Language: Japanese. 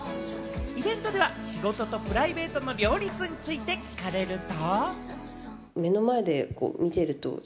イベントでは仕事とプライベートの両立について聞かれると。